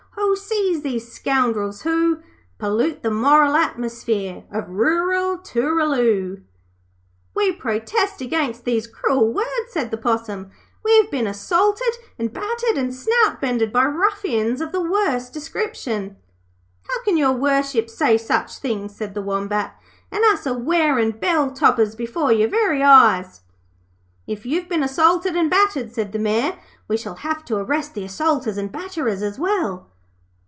Ho! seize these scoundrels who Pollute the moral atmosphere Of rural Tooraloo.' 'We protest against these cruel words,' said the Possum. 'We have been assaulted and battered and snout bended by ruffians of the worst description.' 'How can Your Worship say such things,' said the Wombat, 'and us a wearin' bell toppers before your very eyes.' 'If you've been assaulted and battered,' said the Mayor, 'we shall have to arrest the assaulters and batterers, as well.'